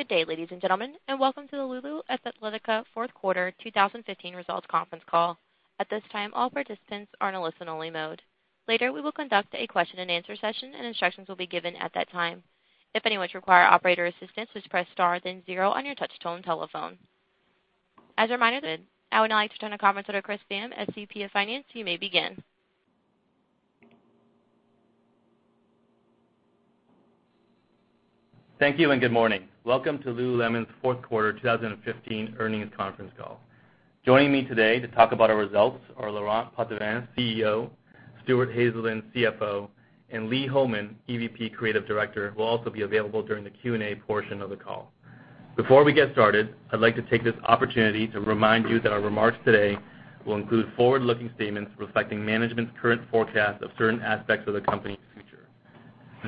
Good day, ladies and gentlemen, and welcome to the Lululemon Athletica fourth quarter 2015 results conference call. At this time, all participants are in a listen only mode. Later, we will conduct a question and answer session, and instructions will be given at that time. If anyone requires operator assistance, just press star then zero on your touch-tone telephone. As a reminder, I would now like to turn the conference over to Chris Tham, SVP of Finance. You may begin. Thank you, and good morning. Welcome to Lululemon's fourth quarter 2015 earnings conference call. Joining me today to talk about our results are Laurent Potdevin, CEO, Stuart Haselden, CFO, and Lee Holman, EVP Creative Director, will also be available during the Q&A portion of the call. Before we get started, I'd like to take this opportunity to remind you that our remarks today will include forward-looking statements reflecting management's current forecast of certain aspects of the company's future.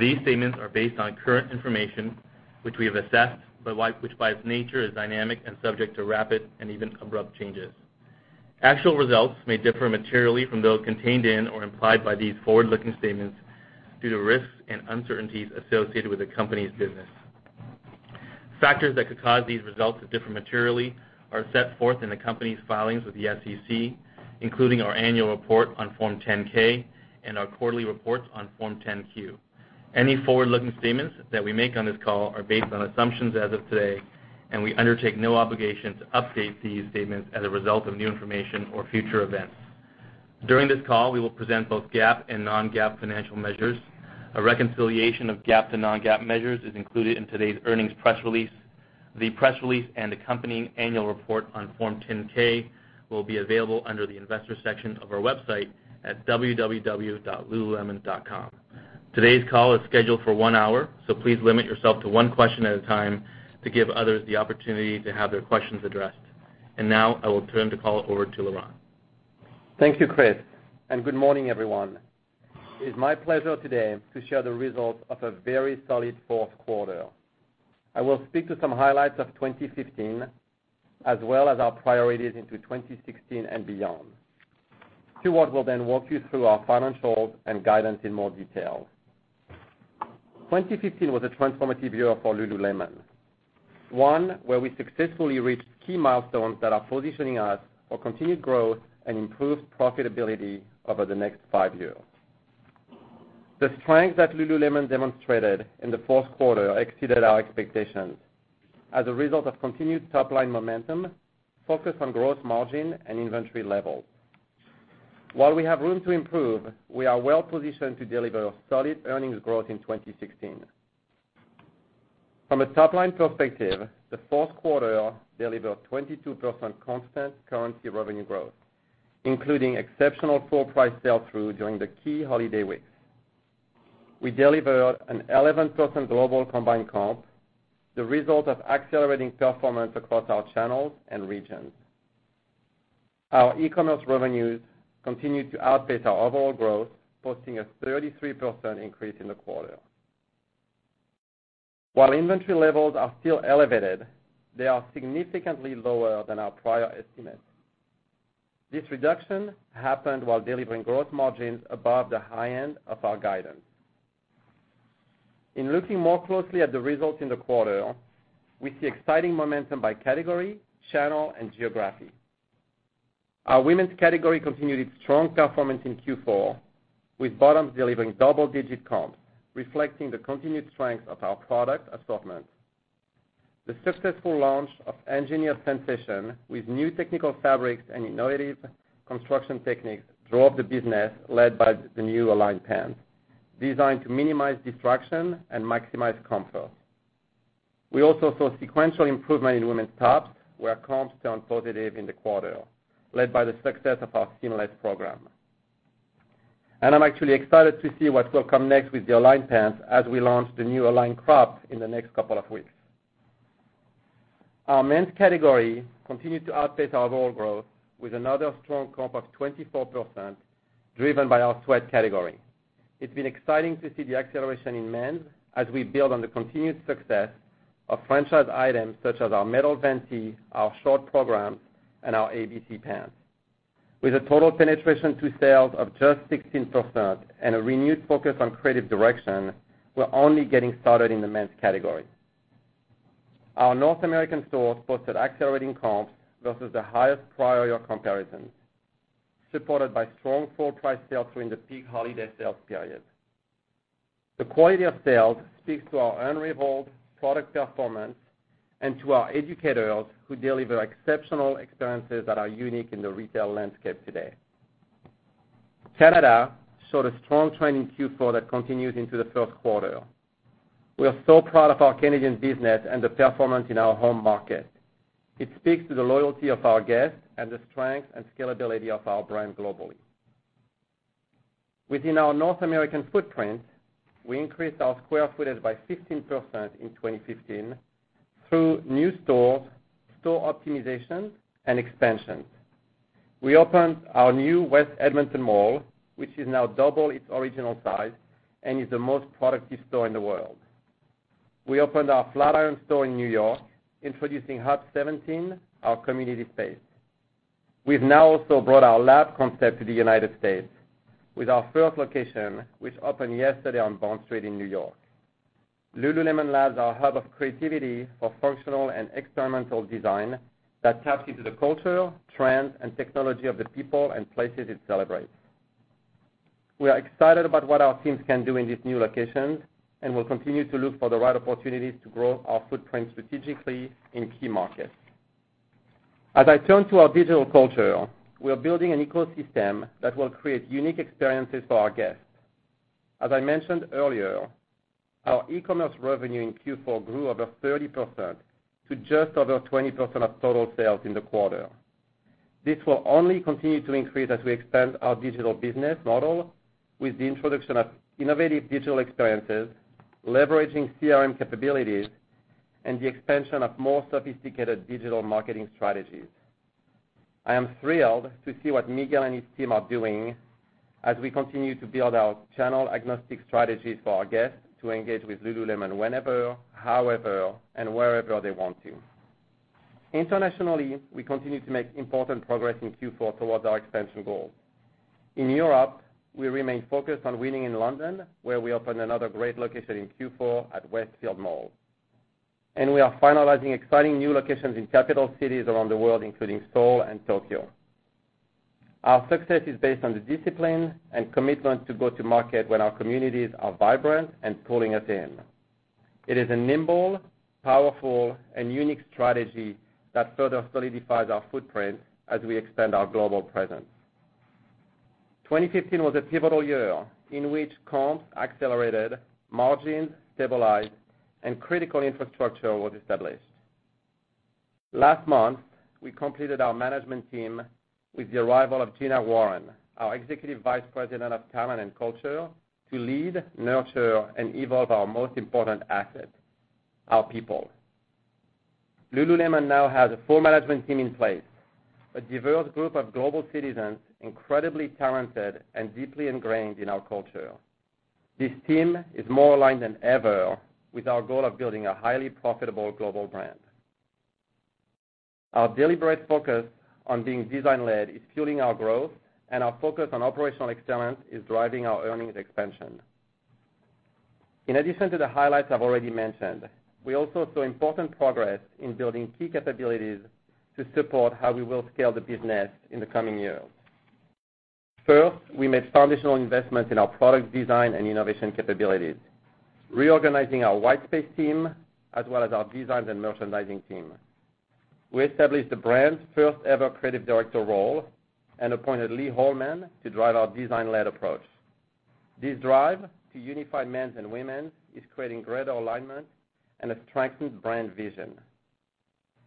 These statements are based on current information which we have assessed, but which by its nature is dynamic and subject to rapid and even abrupt changes. Actual results may differ materially from those contained in or implied by these forward-looking statements due to risks and uncertainties associated with the company's business. Factors that could cause these results to differ materially are set forth in the company's filings with the SEC, including our annual report on Form 10-K and our quarterly reports on Form 10-Q. Any forward-looking statements that we make on this call are based on assumptions as of today, and we undertake no obligation to update these statements as a result of new information or future events. During this call, we will present both GAAP and non-GAAP financial measures. A reconciliation of GAAP to non-GAAP measures is included in today's earnings press release. The press release and accompanying annual report on Form 10-K will be available under the investor section of our website at www.lululemon.com. Today's call is scheduled for one hour, so please limit yourself to one question at a time to give others the opportunity to have their questions addressed. Now I will turn the call over to Laurent. Thank you, Chris, and good morning, everyone. It is my pleasure today to share the results of a very solid fourth quarter. I will speak to some highlights of 2015, as well as our priorities into 2016 and beyond. Stuart will then walk you through our financials and guidance in more detail. 2015 was a transformative year for Lululemon. One where we successfully reached key milestones that are positioning us for continued growth and improved profitability over the next five years. The strength that Lululemon demonstrated in the fourth quarter exceeded our expectations as a result of continued top-line momentum, focus on gross margin and inventory levels. While we have room to improve, we are well positioned to deliver solid earnings growth in 2016. From a top-line perspective, the fourth quarter delivered 22% constant currency revenue growth, including exceptional full price sell-through during the key holiday weeks. We delivered an 11% global combined comp, the result of accelerating performance across our channels and regions. Our e-commerce revenues continued to outpace our overall growth, posting a 33% increase in the quarter. While inventory levels are still elevated, they are significantly lower than our prior estimates. This reduction happened while delivering gross margins above the high end of our guidance. In looking more closely at the results in the quarter, we see exciting momentum by category, channel, and geography. Our women's category continued its strong performance in Q4, with bottoms delivering double-digit comp, reflecting the continued strength of our product assortment. The successful launch of Engineered Sensation with new technical fabrics and innovative construction techniques drove the business led by the new Align pants, designed to minimize distraction and maximize comfort. I'm actually excited to see what will come next with the Align pants as we launch the new Align crop in the next couple of weeks. Our men's category continued to outpace our overall growth with another strong comp of 24% driven by our sweat category. It's been exciting to see the acceleration in men's as we build on the continued success of franchise items such as our Metal Vent Tee, our short programs, and our ABC pants. With a total penetration to sales of just 16% and a renewed focus on creative direction, we're only getting started in the men's category. Our North American stores posted accelerating comps versus the highest prior year comparisons, supported by strong full price sales during the peak holiday sales period. The quality of sales speaks to our unrivaled product performance and to our educators who deliver exceptional experiences that are unique in the retail landscape today. Canada showed a strong trend in Q4 that continues into the first quarter. We are so proud of our Canadian business and the performance in our home market. It speaks to the loyalty of our guests and the strength and scalability of our brand globally. Within our North American footprint, we increased our square footage by 15% in 2015 through new stores, store optimization, and expansions. We opened our new West Edmonton Mall, which is now double its original size and is the most productive store in the world. We opened our Flatiron store in New York, introducing Hub 17, our community space. We've now also brought our Lab concept to the United States with our third location, which opened yesterday on Bond Street in New York. Lululemon Labs are a hub of creativity for functional and experimental design that taps into the culture, trends, and technology of the people and places it celebrates. We are excited about what our teams can do in these new locations and will continue to look for the right opportunities to grow our footprint strategically in key markets. As I turn to our digital culture, we are building an ecosystem that will create unique experiences for our guests. As I mentioned earlier, our e-commerce revenue in Q4 grew over 30% to just over 20% of total sales in the quarter. This will only continue to increase as we expand our digital business model with the introduction of innovative digital experiences, leveraging CRM capabilities, and the expansion of more sophisticated digital marketing strategies. I am thrilled to see what Miguel and his team are doing as we continue to build our channel agnostic strategies for our guests to engage with Lululemon whenever, however, and wherever they want to. Internationally, we continue to make important progress in Q4 towards our expansion goals. In Europe, we remain focused on winning in London, where we opened another great location in Q4 at Westfield Mall, and we are finalizing exciting new locations in capital cities around the world, including Seoul and Tokyo. Our success is based on the discipline and commitment to go to market when our communities are vibrant and pulling us in. It is a nimble, powerful, and unique strategy that further solidifies our footprint as we expand our global presence. 2015 was a pivotal year in which comps accelerated, margins stabilized, and critical infrastructure was established. Last month, we completed our management team with the arrival of Gina Warren, our Executive Vice President of talent and culture, to lead, nurture, and evolve our most important asset, our people. Lululemon now has a full management team in place, a diverse group of global citizens, incredibly talented and deeply ingrained in our culture. This team is more aligned than ever with our goal of building a highly profitable global brand. Our deliberate focus on being design-led is fueling our growth, and our focus on operational excellence is driving our earnings expansion. In addition to the highlights I've already mentioned, we also saw important progress in building key capabilities to support how we will scale the business in the coming years. First, we made foundational investments in our product design and innovation capabilities, reorganizing our Whitespace team, as well as our designs and merchandising team. We established the brand's first ever Creative Director role and appointed Lee Holman to drive our design-led approach. This drive to unify men's and women's is creating greater alignment and a strengthened brand vision.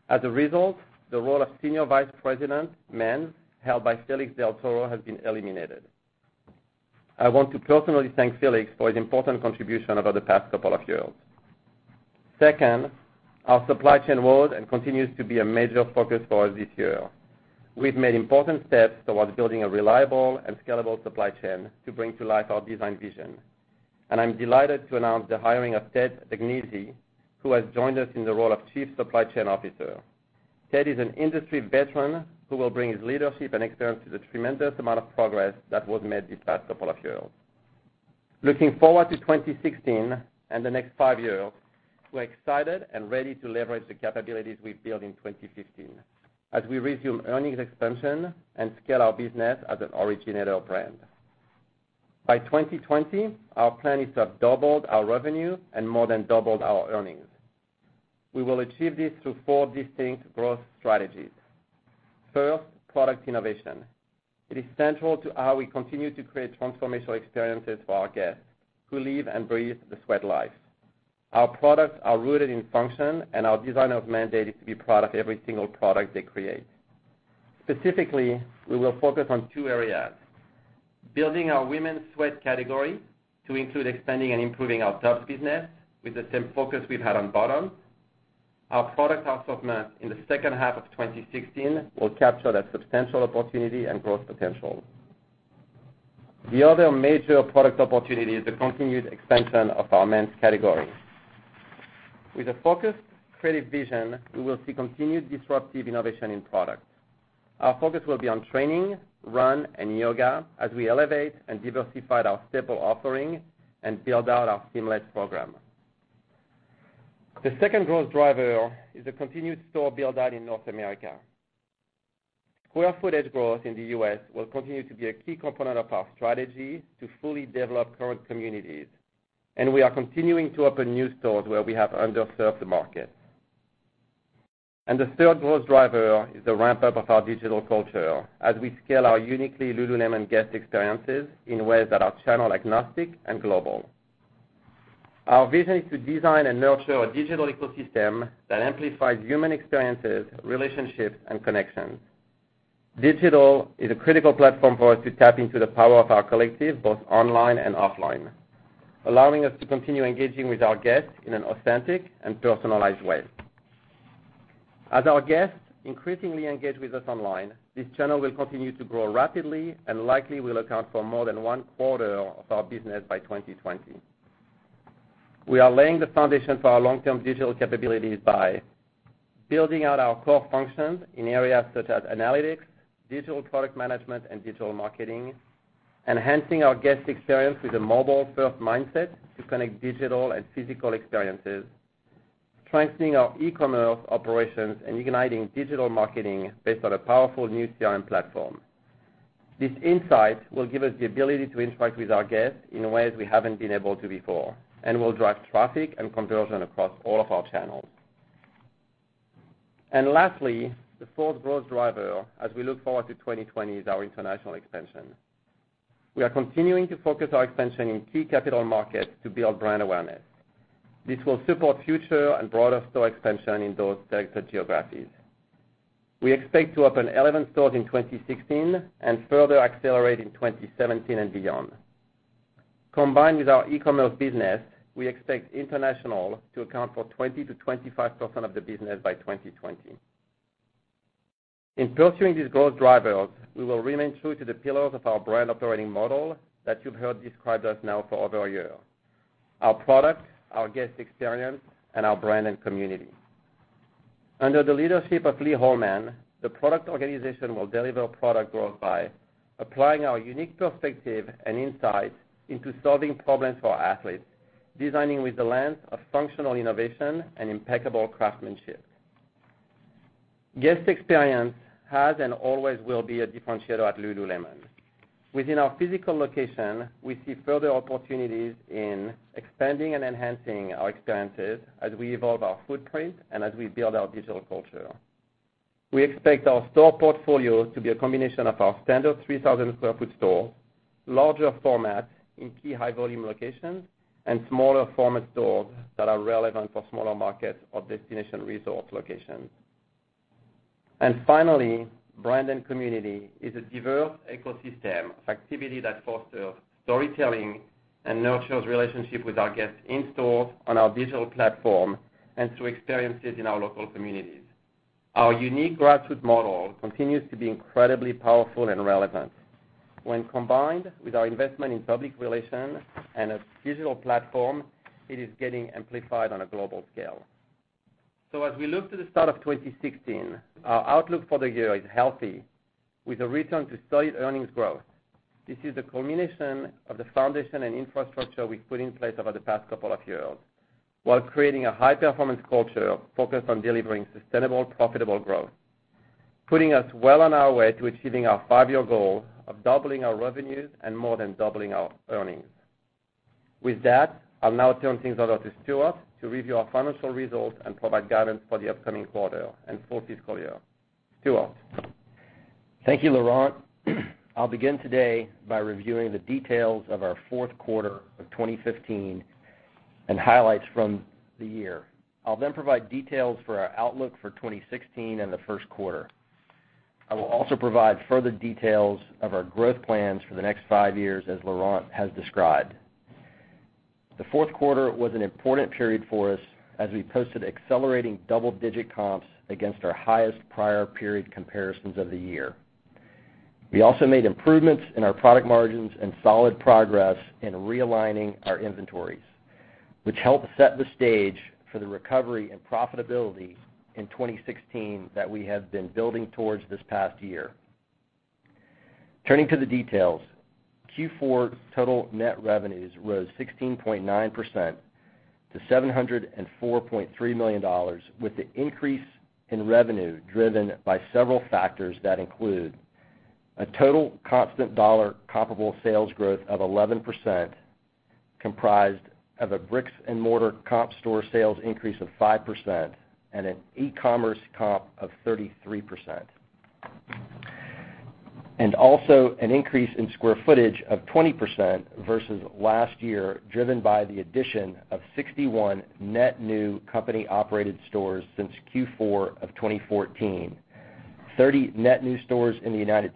As a result, the role of Senior Vice President men, held by Felix del Toro, has been eliminated. I want to personally thank Felix for his important contribution over the past couple of years. Second, our supply chain continues to be a major focus for us this year. We've made important steps towards building a reliable and scalable supply chain to bring to life our design vision, and I'm delighted to announce the hiring of Ted Dagnese, who has joined us in the role of Chief Supply Chain Officer. Ted is an industry veteran who will bring his leadership and experience to the tremendous amount of progress that was made these past couple of years. Looking forward to 2016 and the next five years, we're excited and ready to leverage the capabilities we've built in 2015 as we resume earnings expansion and scale our business as an originator brand. By 2020, our plan is to have doubled our revenue and more than doubled our earnings. We will achieve this through four distinct growth strategies. First, product innovation. It is central to how we continue to create transformational experiences for our guests who live and breathe the sweat life. Our products are rooted in function, and our design is mandated to be part of every single product they create. Specifically, we will focus on two areas, building our women's sweat category to include expanding and improving our tops business with the same focus we've had on bottoms. Our product assortment in the second half of 2016 will capture that substantial opportunity and growth potential. The other major product opportunity is the continued expansion of our men's category. With a focused creative vision, we will see continued disruptive innovation in product. Our focus will be on training, run, and yoga as we elevate and diversify our stable offering and build out our seamless program. The second growth driver is a continued store build-out in North America. Square footage growth in the U.S. will continue to be a key component of our strategy to fully develop current communities, and we are continuing to open new stores where we have underserved the market. The third growth driver is the ramp-up of our digital culture as we scale our uniquely Lululemon guest experiences in ways that are channel agnostic and global. Our vision is to design and nurture a digital ecosystem that amplifies human experiences, relationships, and connections. Digital is a critical platform for us to tap into the power of our collective, both online and offline, allowing us to continue engaging with our guests in an authentic and personalized way. As our guests increasingly engage with us online, this channel will continue to grow rapidly and likely will account for more than one quarter of our business by 2020. We are laying the foundation for our long-term digital capabilities by building out our core functions in areas such as analytics, digital product management, and digital marketing, enhancing our guest experience with a mobile-first mindset to connect digital and physical experiences, strengthening our e-commerce operations, and uniting digital marketing based on a powerful new CRM platform. This insight will give us the ability to interact with our guests in ways we haven't been able to before and will drive traffic and conversion across all of our channels. Lastly, the fourth growth driver as we look forward to 2020 is our international expansion. We are continuing to focus our expansion in key capital markets to build brand awareness. This will support future and broader store expansion in those targeted geographies. We expect to open 11 stores in 2016 and further accelerate in 2017 and beyond. Combined with our e-commerce business, we expect international to account for 20%-25% of the business by 2020. In pursuing these growth drivers, we will remain true to the pillars of our brand operating model that you've heard described us now for over a year. Our product, our guest experience, and our brand and community. Under the leadership of Lee Holman, the product organization will deliver product growth by applying our unique perspective and insight into solving problems for our athletes, designing with the lens of functional innovation and impeccable craftsmanship. Guest experience has and always will be a differentiator at lululemon. Within our physical location, we see further opportunities in expanding and enhancing our experiences as we evolve our footprint and as we build our digital culture. We expect our store portfolio to be a combination of our standard 3,000 sq ft store, larger format in key high-volume locations, and smaller format stores that are relevant for smaller markets or destination resort locations. Finally, brand and community is a diverse ecosystem of activity that fosters storytelling and nurtures relationships with our guests in-store, on our digital platform, and through experiences in our local communities. Our unique grassroots model continues to be incredibly powerful and relevant. When combined with our investment in public relations and a digital platform, it is getting amplified on a global scale. As we look to the start of 2016, our outlook for the year is healthy, with a return to solid earnings growth. This is the culmination of the foundation and infrastructure we've put in place over the past couple of years, while creating a high-performance culture focused on delivering sustainable, profitable growth, putting us well on our way to achieving our five-year goal of doubling our revenues and more than doubling our earnings. With that, I'll now turn things over to Stuart to review our financial results and provide guidance for the upcoming quarter and full fiscal year. Stuart? Thank you, Laurent. I'll begin today by reviewing the details of our fourth quarter of 2015 and highlights from the year. I'll then provide details for our outlook for 2016 and the first quarter. I will also provide further details of our growth plans for the next five years, as Laurent has described. The fourth quarter was an important period for us as we posted accelerating double-digit comps against our highest prior period comparisons of the year. We also made improvements in our product margins and solid progress in realigning our inventories, which helped set the stage for the recovery and profitability in 2016 that we have been building towards this past year. Turning to the details. Q4 total net revenues rose 16.9% to $704.3 million with the increase in revenue driven by several factors that include a total constant dollar comparable sales growth of 11%, comprised of a bricks and mortar comp store sales increase of 5% and an e-commerce comp of 33%. Also an increase in square footage of 20% versus last year, driven by the addition of 61 net new company-operated stores since Q4 of 2014. 30 net new stores in the U.S.,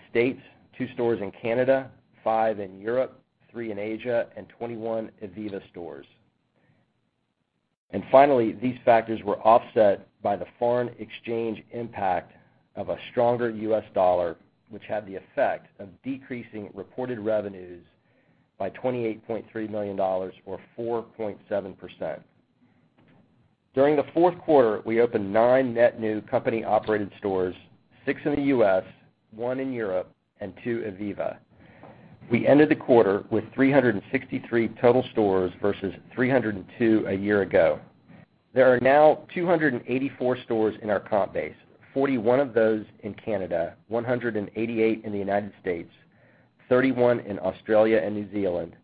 2 stores in Canada, 5 in Europe, 3 in Asia, and 21 ivivva stores. Finally, these factors were offset by the foreign exchange impact of a stronger U.S. dollar, which had the effect of decreasing reported revenues by $28.3 million or 4.7%. During the fourth quarter, we opened 9 net new company-operated stores, 6 in the U.S., 1 in Europe, and 2 ivivva. We ended the quarter with 363 total stores versus 302 a year ago. There are now 284 stores in our comp base, 41 of those in Canada, 188 in the U.S., 31 in Australia and New Zealand,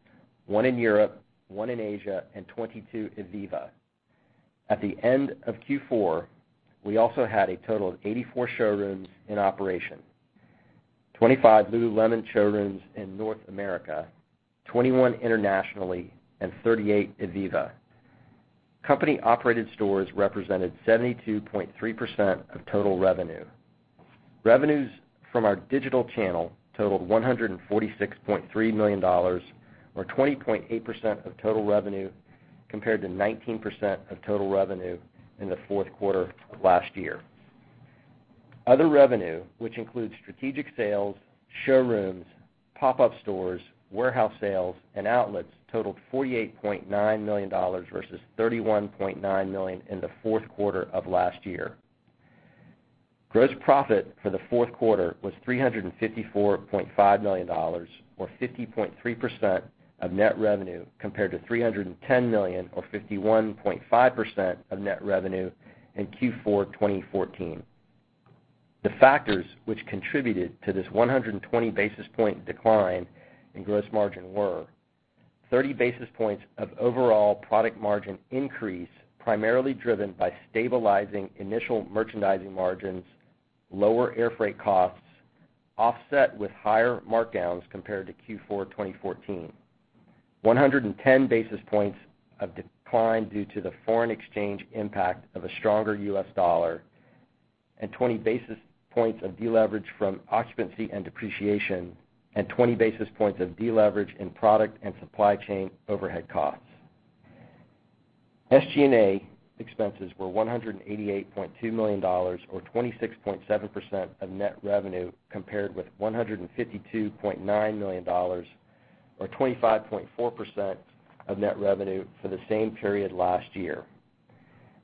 1 in Europe, 1 in Asia, and 22 ivivva. At the end of Q4, we also had a total of 84 showrooms in operation, 25 Lululemon showrooms in North America, 21 internationally, and 38 ivivva. Company-operated stores represented 72.3% of total revenue. Revenues from our digital channel totaled $146.3 million, or 20.8% of total revenue, compared to 19% of total revenue in the fourth quarter of last year. Other revenue, which includes strategic sales, showrooms, pop-up stores, warehouse sales, and outlets, totaled $48.9 million versus $31.9 million in the fourth quarter of last year. Gross profit for the fourth quarter was $354.5 million or 50.3% of net revenue, compared to $310 million or 51.5% of net revenue in Q4 2014. The factors which contributed to this 120 basis point decline in gross margin were 30 basis points of overall product margin increase, primarily driven by stabilizing initial merchandising margins, lower air freight costs, offset with higher markdowns compared to Q4 2014. 110 basis points of decline due to the foreign exchange impact of a stronger U.S. dollar, and 20 basis points of deleverage from occupancy and depreciation, and 20 basis points of deleverage in product and supply chain overhead costs. SG&A expenses were $188.2 million or 26.7% of net revenue compared with $152.9 million, or 25.4% of net revenue for the same period last year.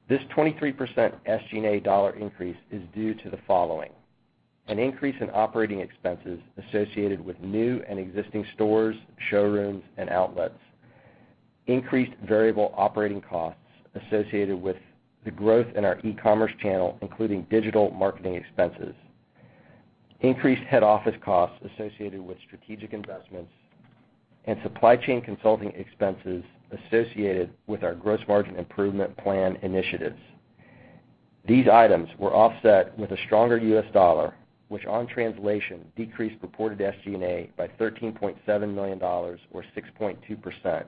This 23% SG&A dollar increase is due to the following: an increase in operating expenses associated with new and existing stores, showrooms, and outlets, increased variable operating costs associated with the growth in our e-commerce channel, including digital marketing expenses, increased head office costs associated with strategic investments, and supply chain consulting expenses associated with our gross margin improvement plan initiatives. These items were offset with a stronger U.S. dollar, which on translation decreased reported SG&A by $13.7 million or 6.2%,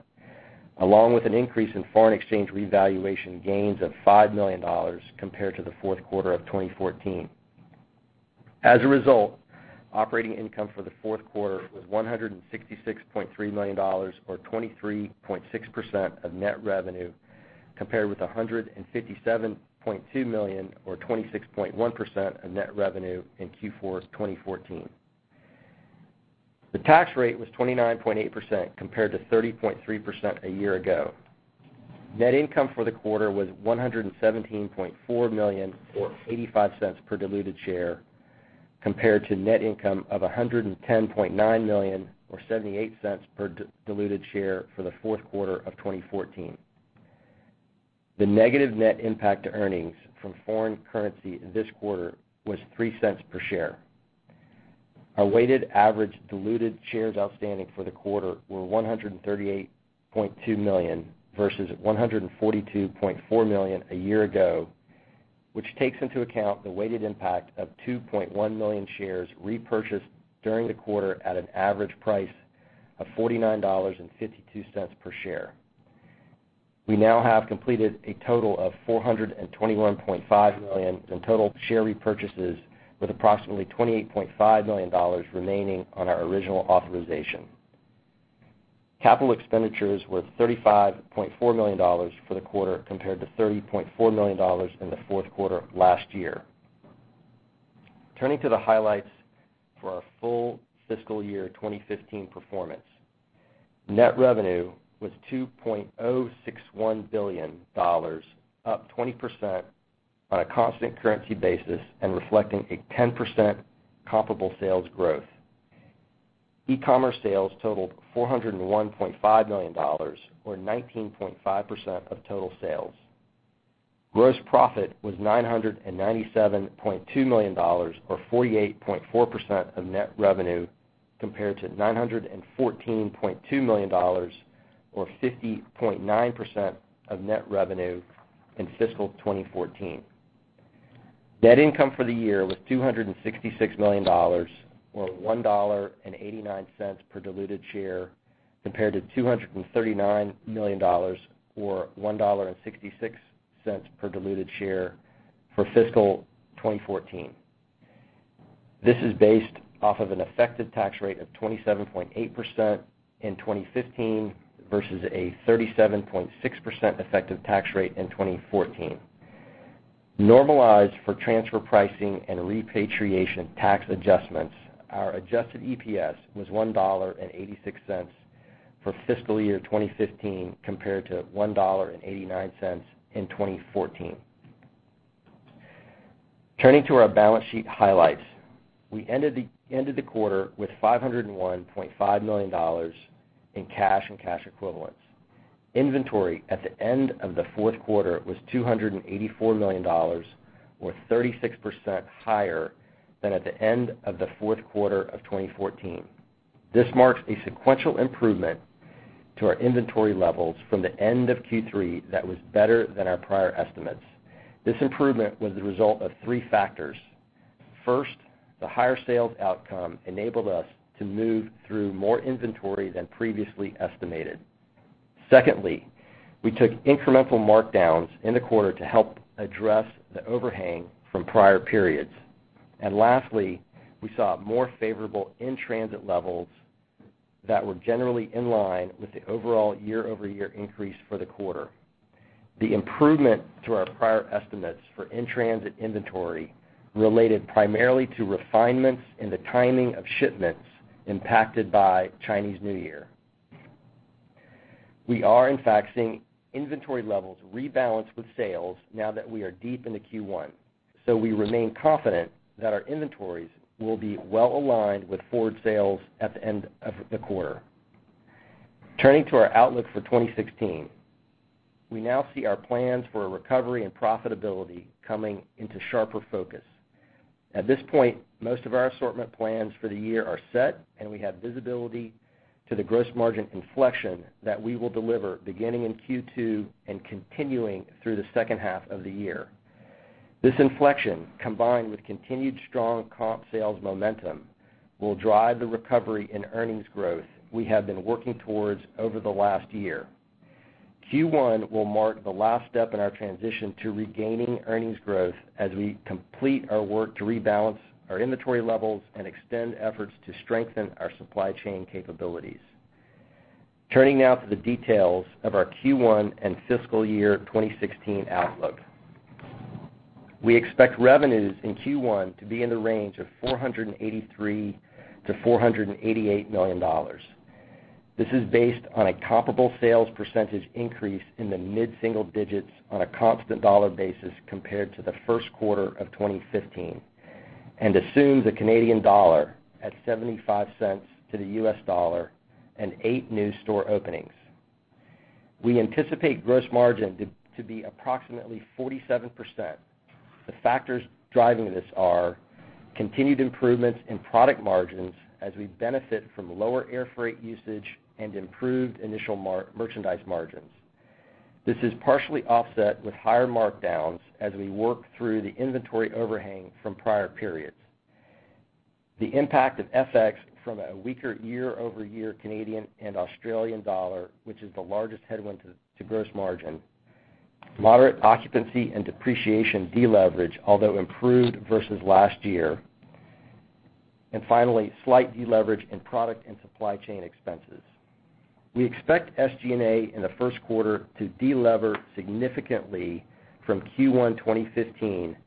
along with an increase in foreign exchange revaluation gains of $5 million compared to the fourth quarter of 2014. As a result, operating income for the fourth quarter was $166.3 million, or 23.6% of net revenue, compared with $157.2 million, or 26.1% of net revenue in Q4 2014. The tax rate was 29.8% compared to 30.3% a year ago. Net income for the quarter was $117.4 million or $0.85 per diluted share, compared to net income of $110.9 million or $0.78 per diluted share for the fourth quarter of 2014. The negative net impact to earnings from foreign currency this quarter was $0.03 per share. Our weighted average diluted shares outstanding for the quarter were 138.2 million, versus 142.4 million a year ago, which takes into account the weighted impact of 2.1 million shares repurchased during the quarter at an average price of $49.52 per share. We now have completed a total of $421.5 million in total share repurchases, with approximately $28.5 million remaining on our original authorization. Capital expenditures were $35.4 million for the quarter, compared to $30.4 million in the fourth quarter of last year. Turning to the highlights for our full fiscal year 2015 performance. Net revenue was $2.061 billion, up 20% on a constant currency basis and reflecting a 10% comparable sales growth. E-commerce sales totaled $401.5 million, or 19.5% of total sales. Gross profit was $997.2 million, or 48.4% of net revenue, compared to $914.2 million, or 50.9% of net revenue in fiscal 2014. Net income for the year was $266 million, or $1.89 per diluted share, compared to $239 million or $1.66 per diluted share for fiscal 2014. This is based off of an effective tax rate of 27.8% in 2015 versus a 37.6% effective tax rate in 2014. Normalized for transfer pricing and repatriation tax adjustments, our adjusted EPS was $1.86 for fiscal year 2015 compared to $1.89 in 2014. Turning to our balance sheet highlights. We ended the quarter with $501.5 million in cash and cash equivalents. Inventory at the end of the fourth quarter was $284 million, or 36% higher than at the end of the fourth quarter of 2014. This marks a sequential improvement to our inventory levels from the end of Q3 that was better than our prior estimates. This improvement was the result of three factors. First, the higher sales outcome enabled us to move through more inventory than previously estimated. Secondly, we took incremental markdowns in the quarter to help address the overhang from prior periods. Lastly, we saw more favorable in-transit levels that were generally in line with the overall year-over-year increase for the quarter. The improvement to our prior estimates for in-transit inventory related primarily to refinements in the timing of shipments impacted by Chinese New Year. We are in fact seeing inventory levels rebalance with sales now that we are deep into Q1, so we remain confident that our inventories will be well-aligned with forward sales at the end of the quarter. Turning to our outlook for 2016, we now see our plans for a recovery and profitability coming into sharper focus. At this point, most of our assortment plans for the year are set, and we have visibility to the gross margin inflection that we will deliver beginning in Q2 and continuing through the second half of the year. This inflection, combined with continued strong comp sales momentum, will drive the recovery in earnings growth we have been working towards over the last year. Q1 will mark the last step in our transition to regaining earnings growth as we complete our work to rebalance our inventory levels and extend efforts to strengthen our supply chain capabilities. Turning now to the details of our Q1 and fiscal year 2016 outlook. We expect revenues in Q1 to be in the range of $483 million to $488 million. This is based on a comparable sales percentage increase in the mid-single digits on a constant dollar basis compared to the first quarter of 2015, and assumes a Canadian dollar at $0.75 to the U.S. dollar and eight new store openings. We anticipate gross margin to be approximately 47%. The factors driving this are continued improvements in product margins as we benefit from lower air freight usage and improved initial merchandise margins. This is partially offset with higher markdowns as we work through the inventory overhang from prior periods. The impact of FX from a weaker year-over-year Canadian and Australian dollar, which is the largest headwind to gross margin. Moderate occupancy and depreciation deleverage, although improved versus last year. Finally, slight deleverage in product and supply chain expenses. We expect SG&A in the first quarter to delever significantly from Q1 2015,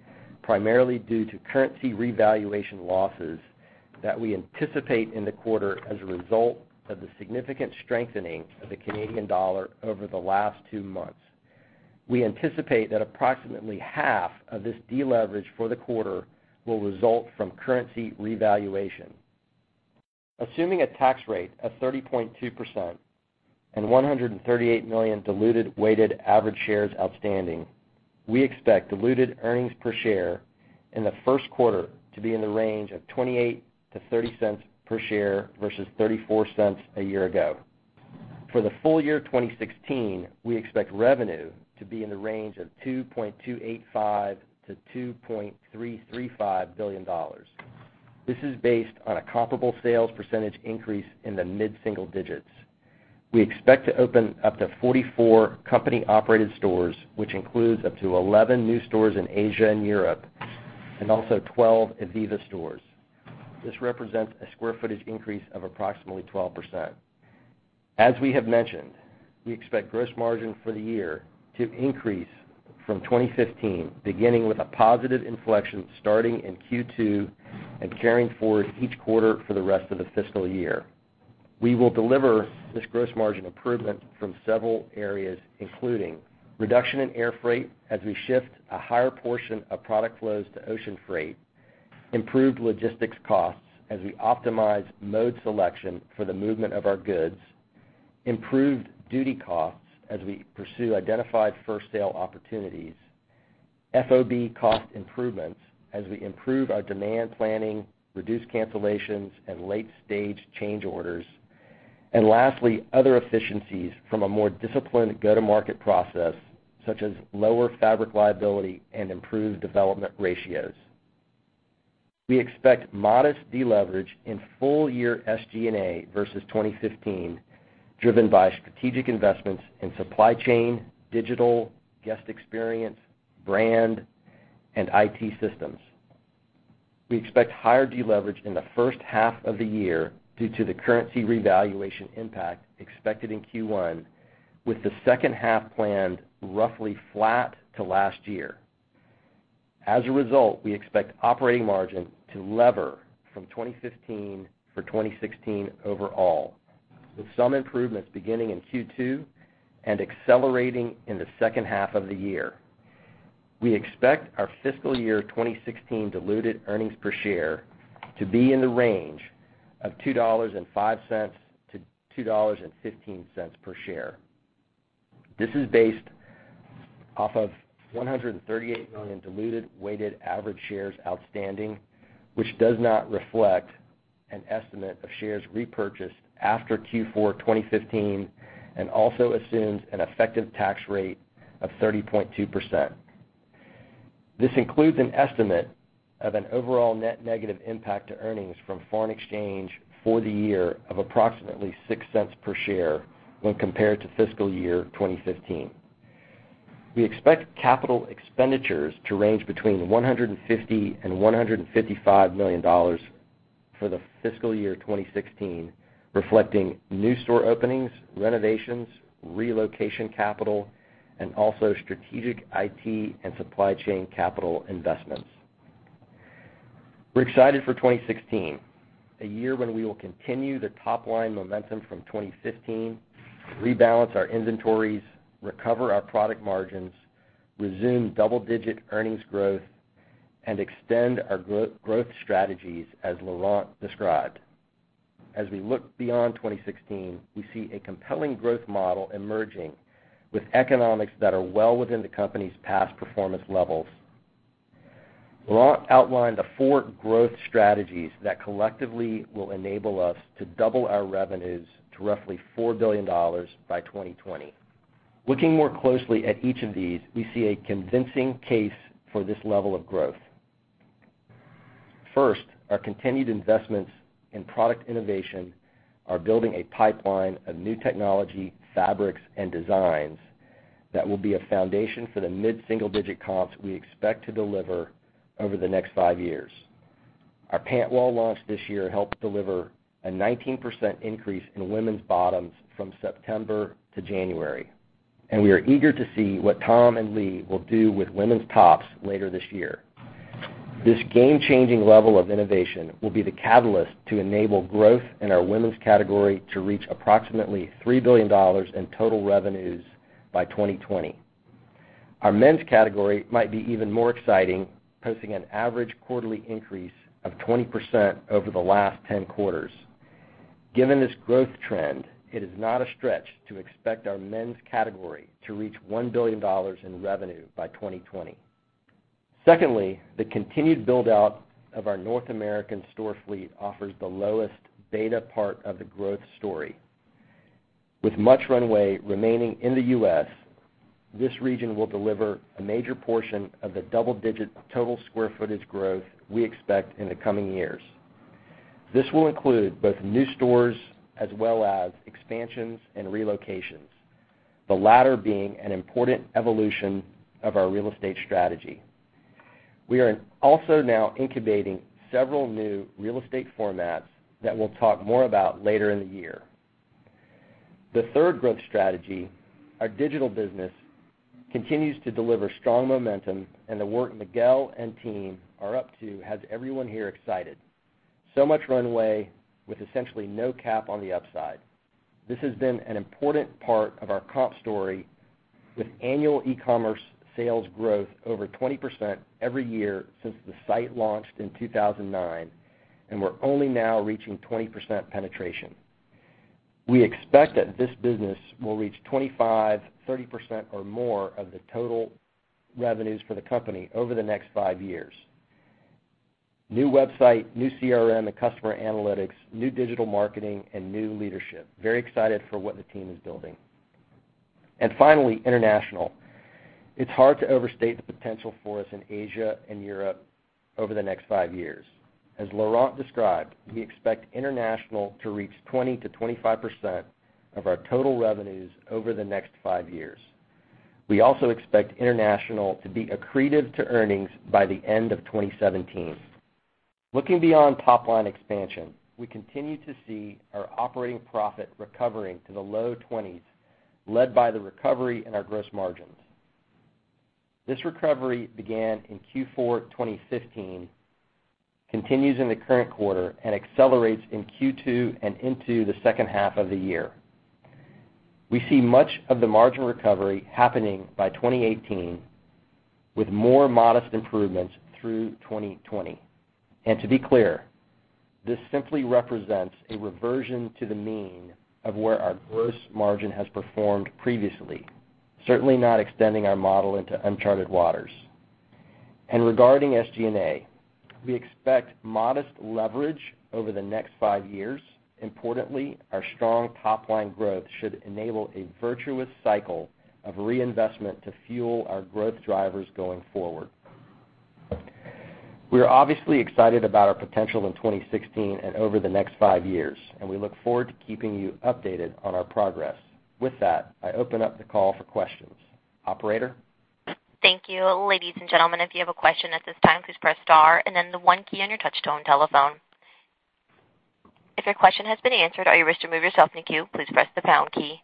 primarily due to currency revaluation losses that we anticipate in the quarter as a result of the significant strengthening of the Canadian dollar over the last two months. We anticipate that approximately half of this deleverage for the quarter will result from currency revaluation. Assuming a tax rate of 30.2% and 138 million diluted weighted average shares outstanding, we expect diluted earnings per share in the first quarter to be in the range of $0.28 to $0.30 per share versus $0.34 a year ago. For the full year 2016, we expect revenue to be in the range of $2.285 billion to $2.335 billion. This is based on a comparable sales percentage increase in the mid-single digits. We expect to open up to 44 company-operated stores, which includes up to 11 new stores in Asia and Europe, and also 12 ivivva stores. This represents a square footage increase of approximately 12%. As we have mentioned, we expect gross margin for the year to increase from 2015, beginning with a positive inflection starting in Q2 and carrying forward each quarter for the rest of the fiscal year. We will deliver this gross margin improvement from several areas, including reduction in air freight as we shift a higher portion of product flows to ocean freight, improved logistics costs as we optimize mode selection for the movement of our goods, improved duty costs as we pursue identified first sale opportunities, FOB cost improvements as we improve our demand planning, reduce cancellations and late-stage change orders. Lastly, other efficiencies from a more disciplined go-to-market process, such as lower fabric liability and improved development ratios. We expect modest deleverage in full-year SG&A versus 2015, driven by strategic investments in supply chain, digital, guest experience, brand, and IT systems. We expect higher deleverage in the first half of the year due to the currency revaluation impact expected in Q1, with the second half planned roughly flat to last year. As a result, we expect operating margin to lever from 2015 for 2016 overall, with some improvements beginning in Q2 and accelerating in the second half of the year. We expect our fiscal year 2016 diluted earnings per share to be in the range of $2.05 to $2.15 per share. This is based off of 138 million diluted weighted average shares outstanding, which does not reflect an estimate of shares repurchased after Q4 2015 and also assumes an effective tax rate of 30.2%. This includes an estimate of an overall net negative impact to earnings from foreign exchange for the year of approximately $0.06 per share when compared to fiscal year 2015. We expect capital expenditures to range between $150 million and $155 million for the fiscal year 2016, reflecting new store openings, renovations, relocation capital, and also strategic IT and supply chain capital investments. We're excited for 2016, a year when we will continue the top-line momentum from 2015, rebalance our inventories, recover our product margins, resume double-digit earnings growth, and extend our growth strategies as Laurent described. As we look beyond 2016, we see a compelling growth model emerging with economics that are well within the company's past performance levels. Laurent outlined the four growth strategies that collectively will enable us to double our revenues to roughly $4 billion by 2020. Looking more closely at each of these, we see a convincing case for this level of growth. First, our continued investments in product innovation are building a pipeline of new technology, fabrics, and designs that will be a foundation for the mid-single-digit comps we expect to deliver over the next five years. Our pant wall launch this year helped deliver a 19% increase in women's bottoms from September to January, and we are eager to see what Tom and Lee will do with women's tops later this year. This game-changing level of innovation will be the catalyst to enable growth in our women's category to reach approximately $3 billion in total revenues by 2020. Our men's category might be even more exciting, posting an average quarterly increase of 20% over the last 10 quarters. Given this growth trend, it is not a stretch to expect our men's category to reach $1 billion in revenue by 2020. Secondly, the continued build-out of our North American store fleet offers the lowest beta part of the growth story. With much runway remaining in the U.S., this region will deliver a major portion of the double-digit total square footage growth we expect in the coming years. This will include both new stores as well as expansions and relocations, the latter being an important evolution of our real estate strategy. We are also now incubating several new real estate formats that we'll talk more about later in the year. The third growth strategy, our digital business, continues to deliver strong momentum, and the work Miguel and team are up to has everyone here excited. Much runway with essentially no cap on the upside. This has been an important part of our comp story, with annual e-commerce sales growth over 20% every year since the site launched in 2009, and we're only now reaching 20% penetration. We expect that this business will reach 25%, 30% or more of the total revenues for the company over the next five years. New website, new CRM and customer analytics, new digital marketing, and new leadership. Very excited for what the team is building. Finally, international. It's hard to overstate the potential for us in Asia and Europe over the next five years. As Laurent described, we expect international to reach 20%-25% of our total revenues over the next five years. We also expect international to be accretive to earnings by the end of 2017. Looking beyond top-line expansion, we continue to see our operating profit recovering to the low 20s, led by the recovery in our gross margins. This recovery began in Q4 2015, continues in the current quarter, and accelerates in Q2 and into the second half of the year. We see much of the margin recovery happening by 2018, with more modest improvements through 2020. To be clear, this simply represents a reversion to the mean of where our gross margin has performed previously, certainly not extending our model into uncharted waters. Regarding SG&A, we expect modest leverage over the next five years. Importantly, our strong top-line growth should enable a virtuous cycle of reinvestment to fuel our growth drivers going forward. We are obviously excited about our potential in 2016 and over the next five years, and we look forward to keeping you updated on our progress. With that, I open up the call for questions. Operator? Thank you. Ladies and gentlemen, if you have a question at this time, please press star and then the one key on your touch-tone telephone. If your question has been answered or you wish to remove yourself from the queue, please press the pound key.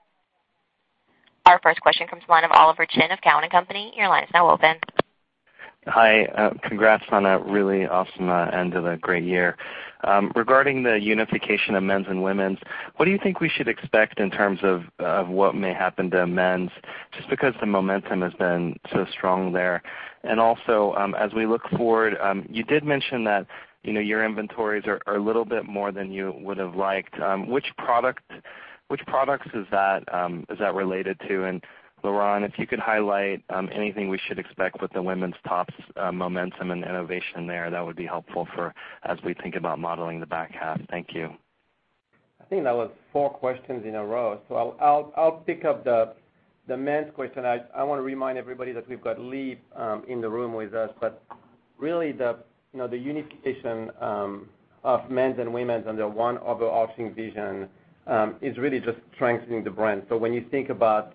Our first question comes from the line of Oliver Chen of Cowen and Company. Your line is now open. Hi. Congrats on a really awesome end of a great year. Regarding the unification of men's and women's, what do you think we should expect in terms of what may happen to men's, just because the momentum has been so strong there? Also, as we look forward, you did mention that your inventories are a little bit more than you would have liked. Which products is that related to? Laurent, if you could highlight anything we should expect with the women's tops momentum and innovation there, that would be helpful as we think about modeling the back half. Thank you. I think that was four questions in a row. I'll pick up the men's question. I want to remind everybody that we've got Lee in the room with us. Really, the unification of men's and women's under one overarching vision is really just strengthening the brand. When you think about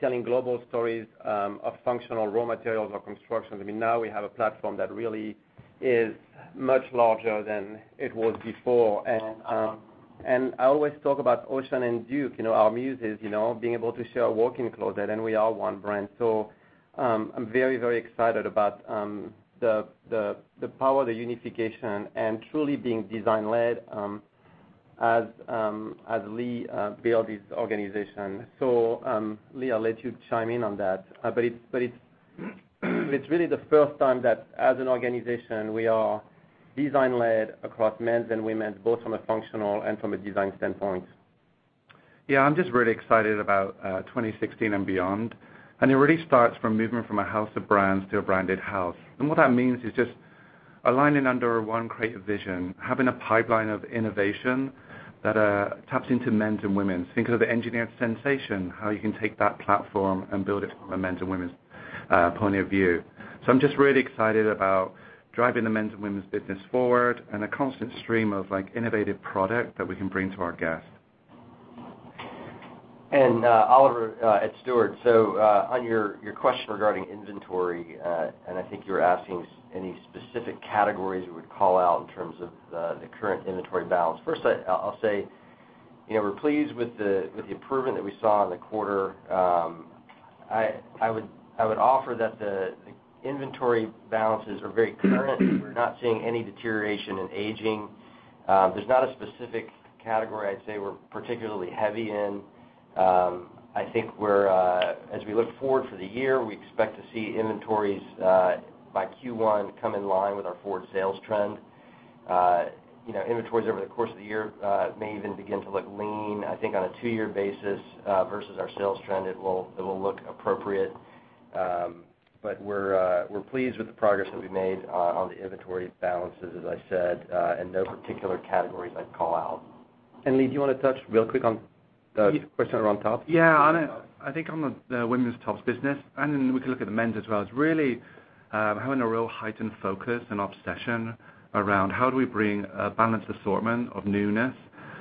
telling global stories of functional raw materials or construction, now we have a platform that really is much larger than it was before. I always talk about Ocean and Duke, our muses, being able to share a walk-in closet, and we are one brand. I'm very excited about the power of the unification and truly being design-led as Lee built his organization. Lee, I'll let you chime in on that, but it's really the first time that as an organization, we are design-led across men's and women's, both from a functional and from a design standpoint. Yeah. I'm just really excited about 2016 and beyond. It really starts from moving from a house of brands to a branded house. What that means is just aligning under one creative vision, having a pipeline of innovation that taps into men's and women's. Think of the Engineered Sensation, how you can take that platform and build it from a men's and women's point of view. I'm just really excited about driving the men's and women's business forward and a constant stream of innovative product that we can bring to our guests. Oliver, it's Stuart. On your question regarding inventory, and I think you were asking any specific categories you would call out in terms of the current inventory balance. First, I'll say we're pleased with the improvement that we saw in the quarter. I would offer that the inventory balances are very current. We're not seeing any deterioration in aging. There's not a specific category I'd say we're particularly heavy in. I think as we look forward for the year, we expect to see inventories by Q1 come in line with our forward sales trend. Inventories over the course of the year may even begin to look lean. I think on a two-year basis versus our sales trend, it will look appropriate. We're pleased with the progress that we made on the inventory balances, as I said, and no particular categories I'd call out. Lee, do you want to touch real quick on the question around tops? Yeah. I think on the women's tops business, and we can look at the men's as well, it's really having a real heightened focus and obsession around how do we bring a balanced assortment of newness,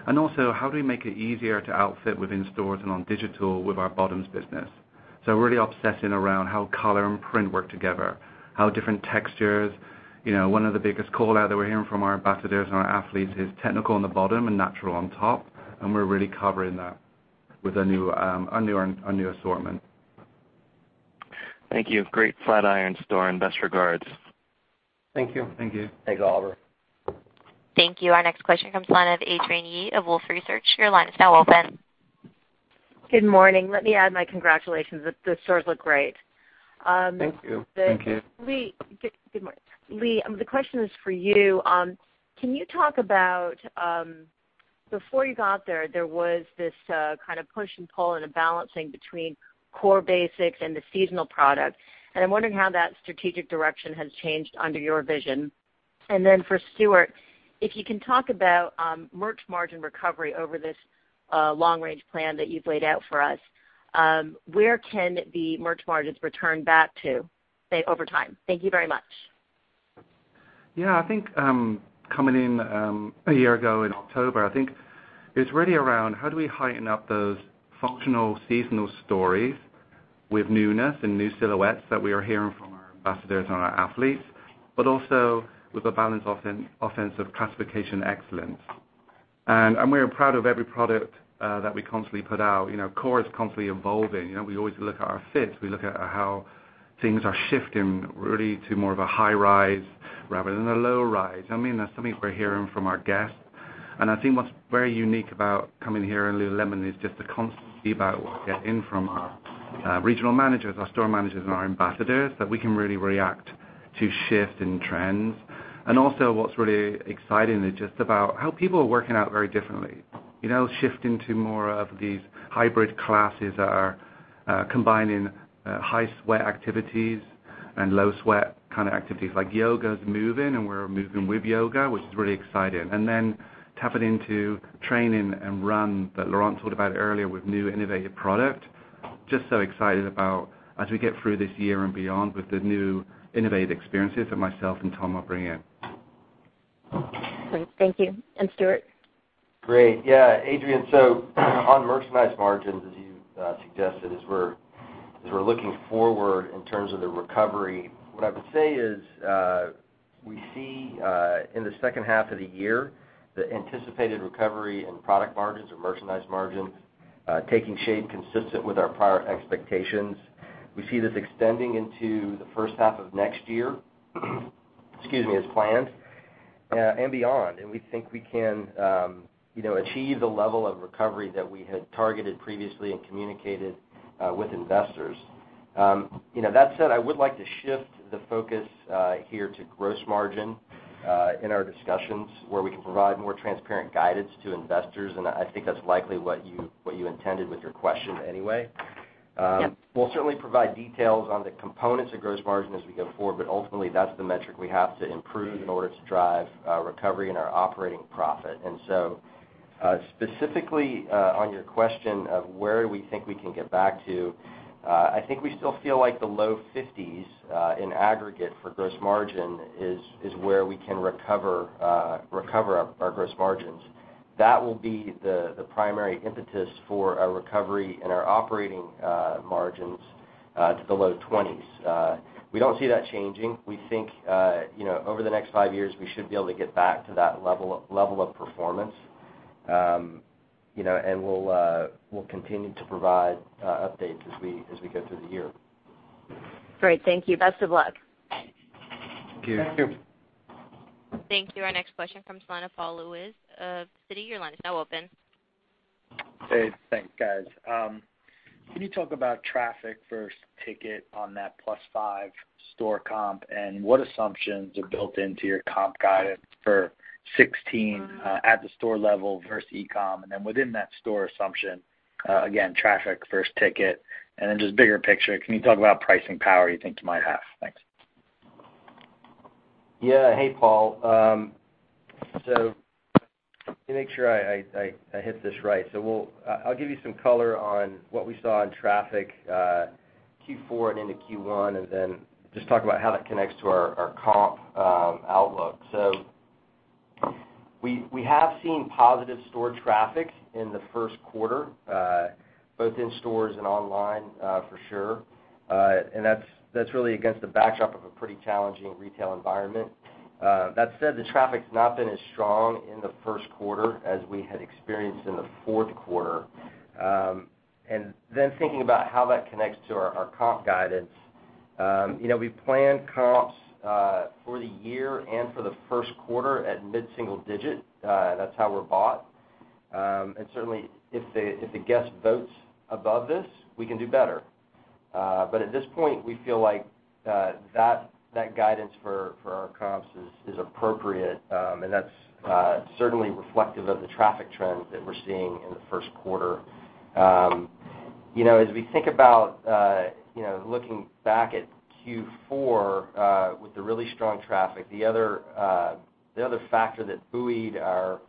and also how do we make it easier to outfit within stores and on digital with our bottoms business. Really obsessing around how color and print work together, how different textures. One of the biggest call-out that we're hearing from our ambassadors and our athletes is technical on the bottom and natural on top, and we're really covering that with our new assortment. Thank you. Great Flatiron store and best regards. Thank you. Thank you. Thanks, Oliver. Thank you. Our next question comes the line of Adrienne Yih of Wolfe Research. Your line is now open. Good morning. Let me add my congratulations. The stores look great. Thank you. Thank you. Lee, good morning. Lee, the question is for you. Can you talk about before you got there was this push and pull and a balancing between core basics and the seasonal product. I'm wondering how that strategic direction has changed under your vision. Then for Stuart, if you can talk about merch margin recovery over this long-range plan that you've laid out for us. Where can the merch margins return back to, say, over time? Thank you very much. I think coming in a year ago in October, I think it's really around how do we heighten up those functional seasonal stories with newness and new silhouettes that we are hearing from our ambassadors and our athletes, but also with a balanced offense of classification excellence. We are proud of every product that we constantly put out. Core is constantly evolving. We always look at our fit. We look at how things are shifting, really to more of a high rise rather than a low rise. That's something we're hearing from our guests. I think what's very unique about coming here in Lululemon is just the constancy about what we get in from our regional managers, our store managers, and our ambassadors, that we can really react to shift in trends. Also what's really exciting is just about how people are working out very differently. Shifting to more of these hybrid classes that are combining high sweat activities and low sweat kind of activities. Like yoga's moving, and we're moving with yoga, which is really exciting. Tapping into training and run that Laurent talked about earlier with new innovative product. Just so excited about as we get through this year and beyond with the new innovative experiences that myself and Tom will bring in. Great. Thank you. Stuart. Great. Adrienne, on merchandise margins, as you suggested, as we're looking forward in terms of the recovery, what I would say is we see in the second half of the year, the anticipated recovery in product margins or merchandise margins taking shape consistent with our prior expectations. We see this extending into the first half of next year excuse me, as planned and beyond. We think we can achieve the level of recovery that we had targeted previously and communicated with investors. That said, I would like to shift the focus here to gross margin in our discussions where we can provide more transparent guidance to investors, I think that's likely what you intended with your question anyway. Yes. We'll certainly provide details on the components of gross margin as we go forward, but ultimately, that's the metric we have to improve in order to drive recovery in our operating profit. Specifically, on your question of where we think we can get back to, I think we still feel like the low fifties in aggregate for gross margin is where we can recover our gross margins. That will be the primary impetus for our recovery and our operating margins to the low twenties. We don't see that changing. We think, over the next five years, we should be able to get back to that level of performance. We'll continue to provide updates as we go through the year. Great. Thank you. Best of luck. Thank you. Thank you. Thank you. Our next question comes from the line of Paul Lejuez of Citi. Your line is now open. Hey, thanks, guys. Can you talk about traffic first ticket on that +5 store comp and what assumptions are built into your comp guidance for 2016 at the store level versus e-com? Within that store assumption, again, traffic first ticket, just bigger picture, can you talk about pricing power you think you might have? Thanks. Yeah. Hey, Paul. Let me make sure I hit this right. I'll give you some color on what we saw in traffic Q4 and into Q1, just talk about how that connects to our comp outlook. We have seen positive store traffic in the first quarter, both in stores and online for sure. That's really against the backdrop of a pretty challenging retail environment. That said, the traffic's not been as strong in the first quarter as we had experienced in the fourth quarter. Thinking about how that connects to our comp guidance. We plan comps for the year and for the first quarter at mid-single digit. That's how we're bought. Certainly, if the guest votes above this, we can do better. At this point, we feel like that guidance for our comps is appropriate, and that's certainly reflective of the traffic trends that we're seeing in the first quarter. As we think about looking back at Q4 with the really strong traffic, the other factor that buoyed our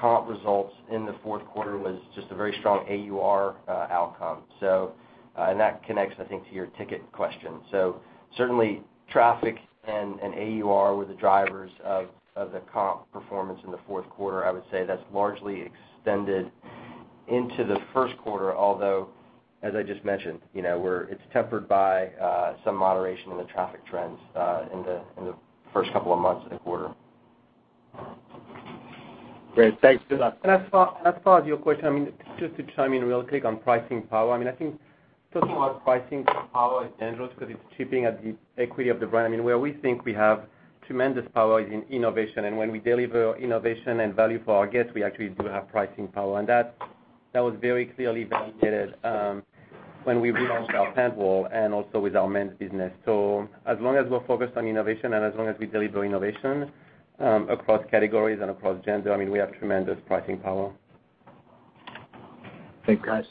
comp results in the fourth quarter was just a very strong AUR outcome. That connects, I think, to your ticket question. Certainly traffic and AUR were the drivers of the comp performance in the fourth quarter. I would say that's largely extended into the first quarter, although, as I just mentioned, it's tempered by some moderation in the traffic trends in the first couple of months in the quarter. Great. Thanks. Good luck. As far as your question, just to chime in real quick on pricing power, I think talking about pricing power is dangerous because it's chipping at the equity of the brand. Where we think we have tremendous power is in innovation. When we deliver innovation and value for our guests, we actually do have pricing power. That was very clearly validated when we relaunched our pant wall and also with our men's business. As long as we're focused on innovation and as long as we deliver innovation across categories and across gender, we have tremendous pricing power. Thanks, guys.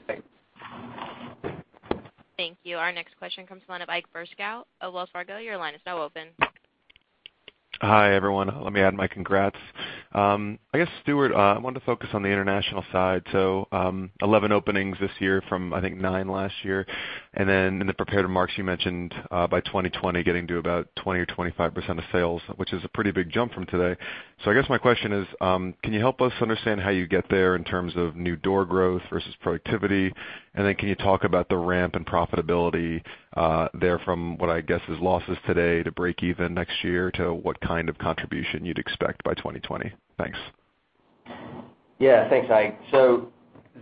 Thank you. Our next question comes from the line of Ike Boruchow of Wells Fargo. Your line is now open. Hi, everyone. Let me add my congrats. I guess, Stuart, I wanted to focus on the international side. 11 openings this year from, I think, nine last year. In the prepared remarks, you mentioned by 2020 getting to about 20% or 25% of sales, which is a pretty big jump from today. I guess my question is, can you help us understand how you get there in terms of new door growth versus productivity? Can you talk about the ramp and profitability there from what I guess is losses today to break even next year, to what kind of contribution you'd expect by 2020? Thanks. Thanks, Ike. To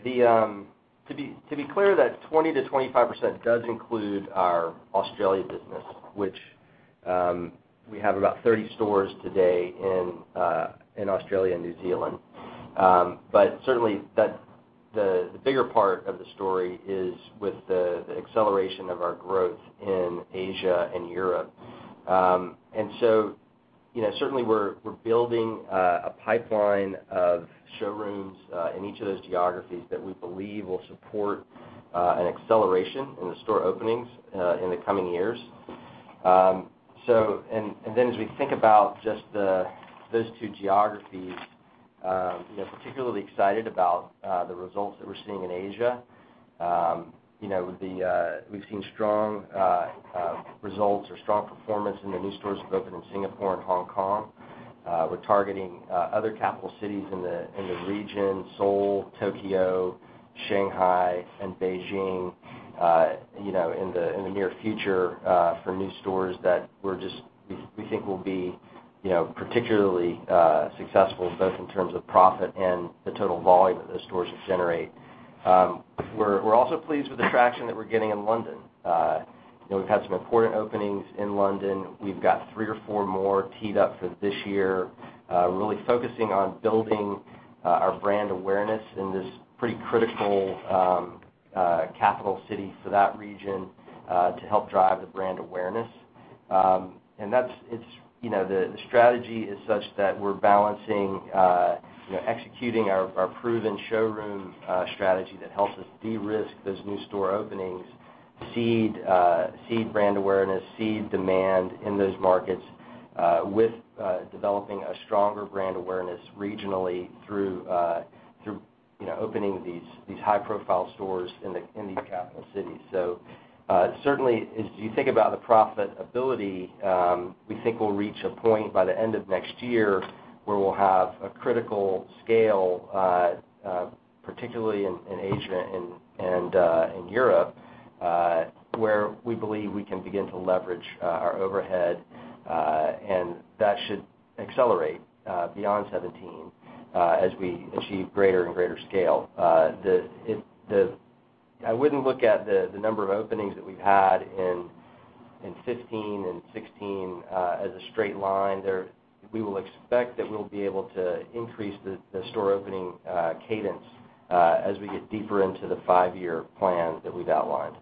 be clear, that 20%-25% does include our Australia business, which we have about 30 stores today in Australia and New Zealand. Certainly, the bigger part of the story is with the acceleration of our growth in Asia and Europe. Certainly, we're building a pipeline of showrooms in each of those geographies that we believe will support an acceleration in the store openings in the coming years. As we think about just those two geographies, particularly excited about the results that we're seeing in Asia. We've seen strong results or strong performance in the new stores we've opened in Singapore and Hong Kong. We're targeting other capital cities in the region, Seoul, Tokyo, Shanghai, and Beijing in the near future for new stores that we think will be particularly successful, both in terms of profit and the total volume that those stores generate. We're also pleased with the traction that we're getting in London. We've had some important openings in London. We've got three or four more teed up for this year. Really focusing on building our brand awareness in this pretty critical capital city for that region to help drive the brand awareness. The strategy is such that we're balancing executing our proven showroom strategy that helps us de-risk those new store openings, seed brand awareness, seed demand in those markets With developing a stronger brand awareness regionally through opening these high-profile stores in these capital cities. Certainly, as you think about the profitability, we think we'll reach a point by the end of next year where we'll have a critical scale, particularly in Asia and in Europe, where we believe we can begin to leverage our overhead, and that should accelerate beyond 2017 as we achieve greater and greater scale. I wouldn't look at the number of openings that we've had in 2015 and 2016 as a straight line there. We will expect that we'll be able to increase the store opening cadence as we get deeper into the five-year plan that we've outlined.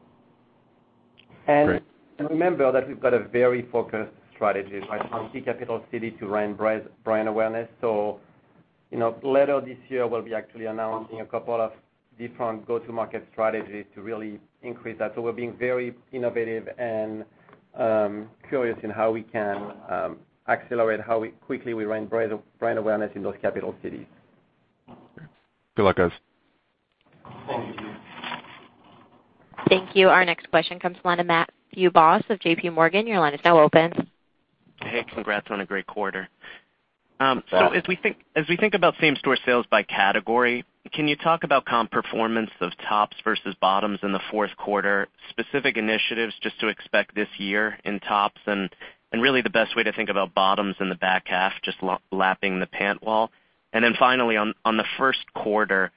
Great. Remember that we've got a very focused strategy. by key capital city to raise brand awareness. Later this year, we'll be actually announcing a couple of different go-to-market strategies to really increase that. We're being very innovative and curious in how we can accelerate how quickly we raise brand awareness in those capital cities. Great. Good luck, guys. Thank you. Thank you. Our next question comes to the line of Matt Boss of JPMorgan. Your line is now open. Hey, congrats on a great quarter. Thanks. As we think about same-store sales by category, can you talk about comp performance of tops versus bottoms in the fourth quarter, specific initiatives just to expect this year in tops, and really the best way to think about bottoms in the back half, just lapping the pant wall. Then finally, on the first quarter,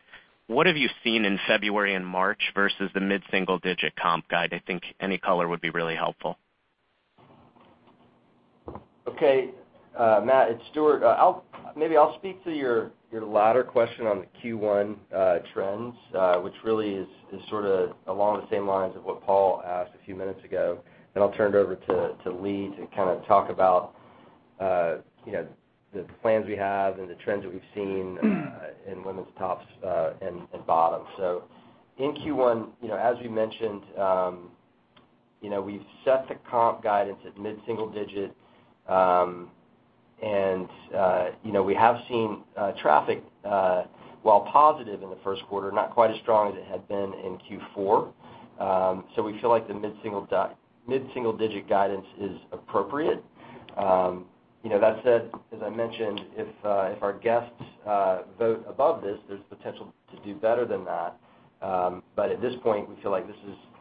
what have you seen in February and March versus the mid-single-digit comp guide? I think any color would be really helpful. Okay. Matt, it's Stuart. Maybe I'll speak to your latter question on the Q1 trends, which really is sort of along the same lines of what Paul asked a few minutes ago, then I'll turn it over to Lee to talk about the plans we have and the trends that we've seen in women's tops and bottoms. In Q1, as we mentioned, we've set the comp guidance at mid-single digit. We have seen traffic, while positive in the first quarter, not quite as strong as it had been in Q4. We feel like the mid-single-digit guidance is appropriate. That said, as I mentioned, if our guests vote above this, there's potential to do better than that. At this point, we feel like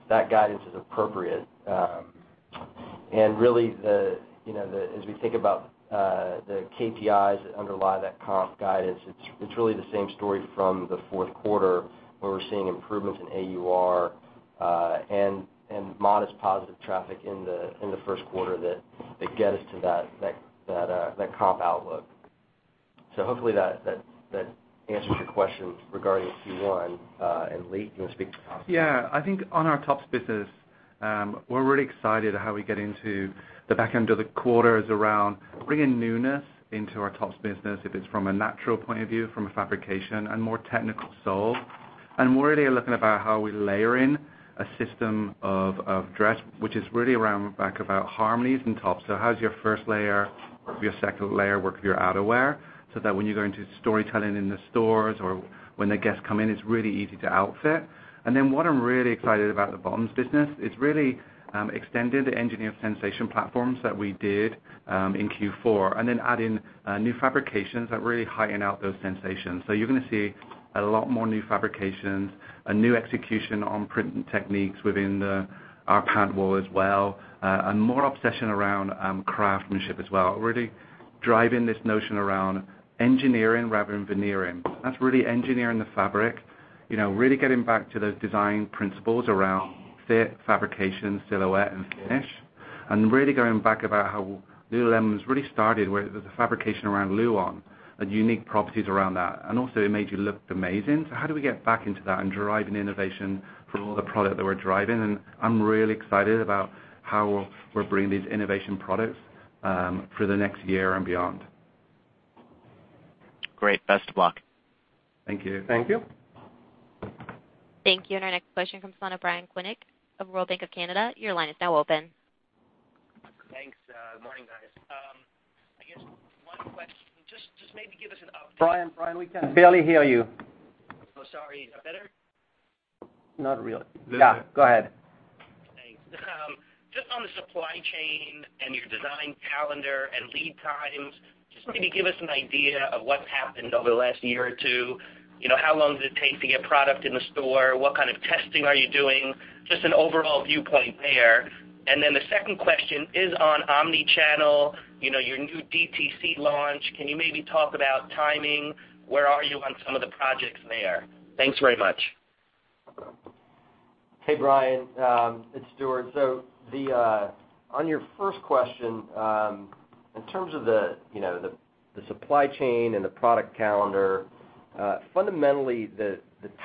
that guidance is appropriate. Really, as we think about the KPIs that underlie that comp guidance, it's really the same story from the fourth quarter, where we're seeing improvements in AUR and modest positive traffic in the first quarter that get us to that comp outlook. Hopefully that answers your question regarding Q1. Lee, do you want to speak to tops? Yeah. I think on our tops business, we're really excited at how we get into the back end of the quarters around bringing newness into our tops business, if it's from a natural point of view, from a fabrication, and more technical soul. We're really looking about how we layer in a system of dress, which is really around the back about harmonies and tops. How does your first layer, your second layer work with your outerwear, so that when you go into storytelling in the stores or when the guests come in, it's really easy to outfit. What I'm really excited about the bottoms business is really extending the Engineered Sensation platforms that we did in Q4, then adding new fabrications that really heighten out those sensations. You're going to see a lot more new fabrications, a new execution on print techniques within our pant wall as well, and more obsession around craftsmanship as well. Really driving this notion around engineering rather than veneering. That's really engineering the fabric. Really getting back to those design principles around fit, fabrication, silhouette, and finish, and really going back about how Lululemon really started, where it was a fabrication around Luon and unique properties around that. Also it made you look amazing. How do we get back into that and drive an innovation for all the product that we're driving? I'm really excited about how we're bringing these innovation products for the next year and beyond. Great. Best of luck. Thank you. Thank you. Thank you. Our next question comes from the line of Brian Tunick of Royal Bank of Canada. Your line is now open. Thanks. Good morning, guys. I guess one question. Just maybe give us an update. Brian, we can barely hear you. Oh, sorry. Is that better? Not really. Little bit. Yeah, go ahead. Thanks. Just on the supply chain and your design calendar and lead times, just maybe give us an idea of what's happened over the last year or two. How long does it take to get product in the store? What kind of testing are you doing? Just an overall viewpoint there. Then the second question is on omni-channel, your new DTC launch. Can you maybe talk about timing? Where are you on some of the projects there? Thanks very much. Hey, Brian. It's Stuart. On your first question, in terms of the supply chain and the product calendar, fundamentally, the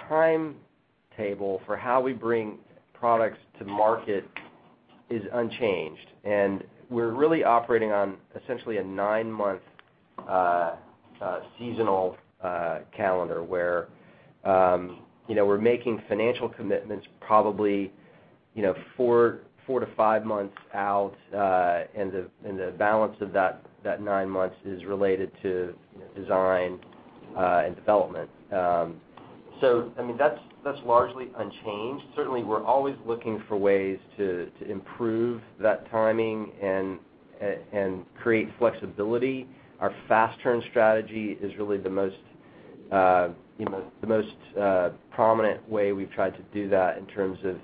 timetable for how we bring products to market is unchanged, and we're really operating on essentially a nine-month A seasonal calendar where we're making financial commitments probably four to five months out, and the balance of that nine months is related to design and development. That's largely unchanged. Certainly, we're always looking for ways to improve that timing and create flexibility. Our fast turn strategy is really the most prominent way we've tried to do that in terms of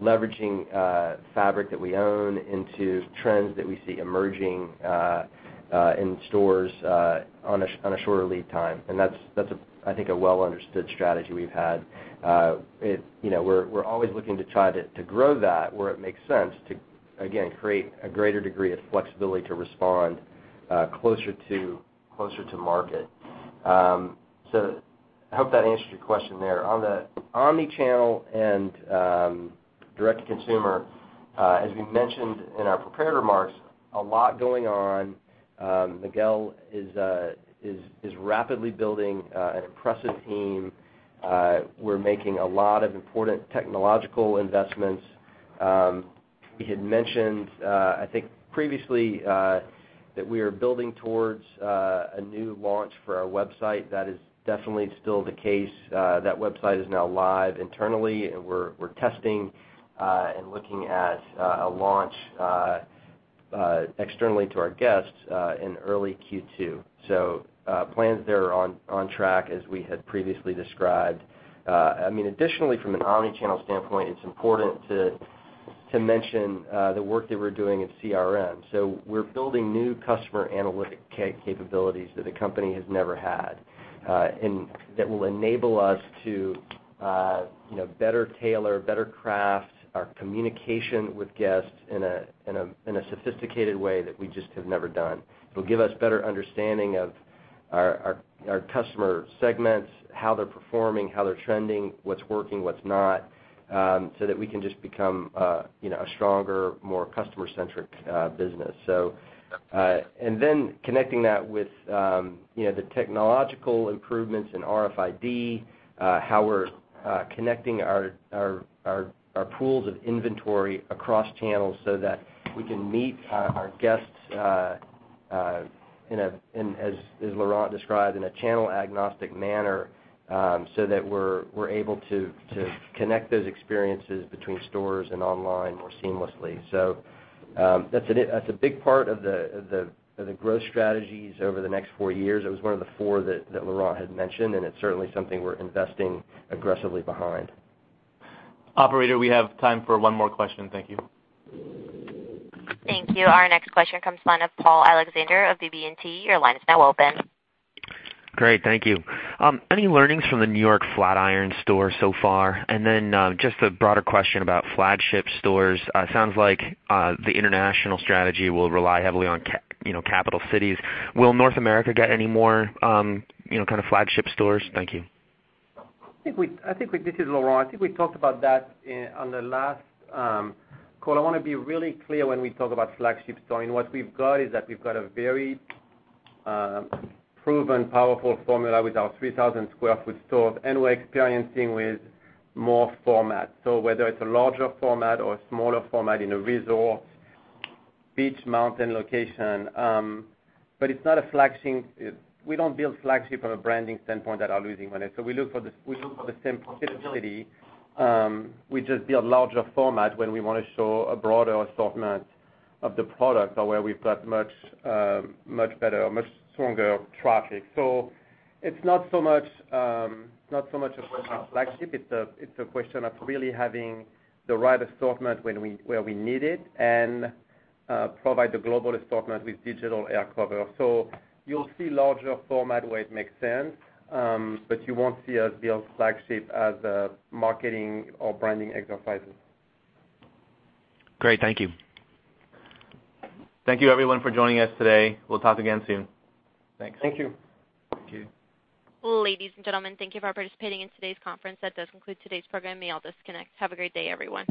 leveraging fabric that we own into trends that we see emerging in stores on a shorter lead time. That's, I think, a well-understood strategy we've had. We're always looking to try to grow that where it makes sense to, again, create a greater degree of flexibility to respond closer to market. I hope that answers your question there. On the omni-channel and direct-to-consumer, as we mentioned in our prepared remarks, a lot going on. Miguel is rapidly building an impressive team. We're making a lot of important technological investments. We had mentioned, I think previously, that we are building towards a new launch for our website. That is definitely still the case. That website is now live internally, and we're testing and looking at a launch externally to our guests in early Q2. Plans there are on track as we had previously described. Additionally, from an omni-channel standpoint, it's important to mention the work that we're doing in CRM. We're building new customer analytic capabilities that the company has never had. That will enable us to better tailor, better craft our communication with guests in a sophisticated way that we just have never done. It'll give us better understanding of our customer segments, how they're performing, how they're trending, what's working, what's not, so that we can just become a stronger, more customer-centric business. And then connecting that with the technological improvements in RFID, how we're connecting our pools of inventory across channels so that we can meet our guests, as Laurent described, in a channel-agnostic manner, so that we're able to connect those experiences between stores and online more seamlessly. That's a big part of the growth strategies over the next four years. It was one of the four that Laurent had mentioned, and it's certainly something we're investing aggressively behind. Operator, we have time for one more question. Thank you. Thank you. Our next question comes from the line of Paul Alexander of BB&T. Your line is now open. Great. Thank you. Any learnings from the New York Flatiron store so far? Just a broader question about flagship stores. Sounds like the international strategy will rely heavily on capital cities. Will North America get any more flagship stores? Thank you. This is Laurent. I think we talked about that on the last call. I want to be really clear when we talk about flagship store. What we've got is that we've got a very proven, powerful formula with our 3,000 square foot stores, and we're experiencing with more format. Whether it's a larger format or a smaller format in a resort, beach, mountain location. We don't build flagship from a branding standpoint that are losing money. We look for the same profitability, we just build larger format when we want to show a broader assortment of the product, or where we've got much better or much stronger traffic. It's not so much a question of flagship. It's a question of really having the right assortment where we need it and provide the global assortment with digital air cover. You'll see larger format where it makes sense. You won't see us build flagship as a marketing or branding exercises. Great. Thank you. Thank you everyone for joining us today. We'll talk again soon. Thanks. Thank you. Thank you. Ladies and gentlemen, thank you for participating in today's conference. That does conclude today's program. You may all disconnect. Have a great day, everyone.